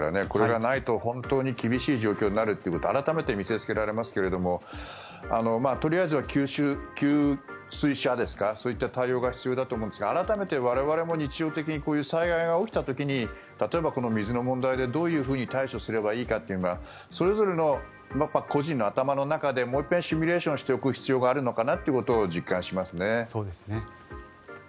これがないと本当に厳しい状況になるということを改めて見せつけられますけれどもとりあえずは給水車ですかそういった対応が必要だと思うんですが改めて我々も日常的にこういう災害が起きた時に例えば、水の問題でどういうふうに対処すればいいかそれぞれの個人の頭の中でもう一遍シミュレーションしておく必要があるのかなと実感しますね。